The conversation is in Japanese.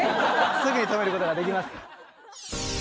すぐに止めることができます。